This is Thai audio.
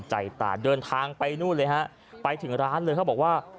ตาเดินทางไปนู่นเลยฮะไปถึงร้านเลยเขาบอกว่า